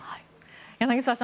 柳澤さん